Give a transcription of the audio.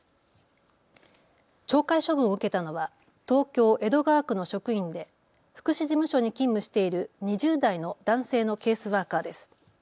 懲戒処分を受けたのは東京江戸川区の職員で福祉事務所に勤務している２０代の男性のケースワーカーです。